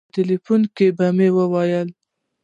په ټيليفون کې به يې ووايم.